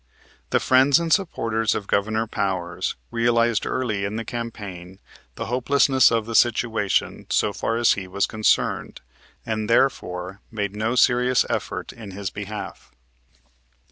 The friends and supporters of Governor Powers realized early in the campaign the hopelessness of the situation, so far as he was concerned, and therefore made no serious effort in his behalf.